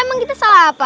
emang kita salah apa